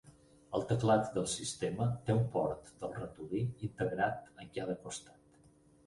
El teclat del sistema té un port del ratolí integrat en cada costat.